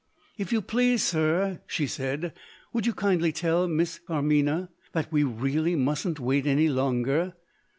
"If you please, sir," she said, "would you kindly tell Miss Carmina that we really mustn't wait any longer?"